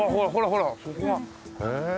ほらそこがへえ！